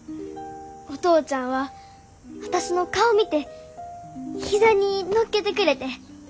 お父ちゃんは私の顔見て膝に乗っけてくれて。